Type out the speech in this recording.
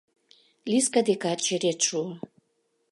Лиска декат черет шуо.